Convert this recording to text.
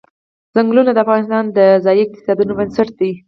چنګلونه د افغانستان د ځایي اقتصادونو بنسټ دی.